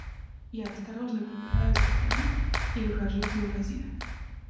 Я осторожно пробираюсь к двери и выхожу из магазина.